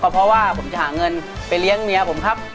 เพราะว่าผมจะหาเงินไปเลี้ยงเมียผมครับ